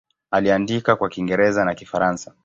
Aliandika kwa Kiingereza na Kifaransa.